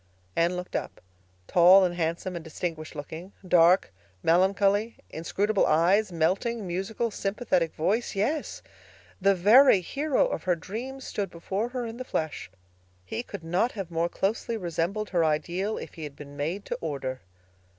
Anne looked up. Tall and handsome and distinguished looking—dark, melancholy, inscrutable eyes—melting, musical, sympathetic voice—yes, the very hero of her dreams stood before her in the flesh. He could not have more closely resembled her ideal if he had been made to order.